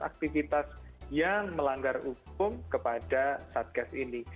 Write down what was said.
aktivitas yang melanggar hukum kepada satgas ini